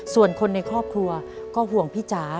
ส่วนคนในครอบครัวก็ห่วงพี่จ๋า